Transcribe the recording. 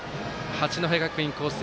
八戸学院光星